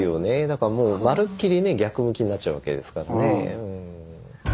だからもうまるっきりね逆向きになっちゃうわけですからね。